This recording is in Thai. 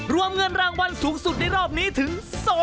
รวมเงินรางวัลสูงสุดในรอบนี้ถึง